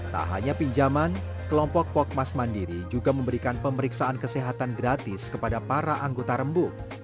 tak hanya pinjaman kelompok pokmas mandiri juga memberikan pemeriksaan kesehatan gratis kepada para anggota rembuk